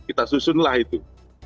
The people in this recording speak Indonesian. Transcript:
kita susunlah itu